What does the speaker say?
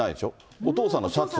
お父さんのシャツ。